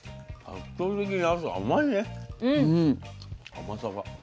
甘さが。